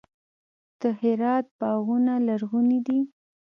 د هرات باغونه لرغوني دي.